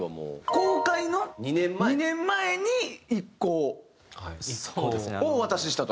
公開の２年前に１稿をお渡ししたと？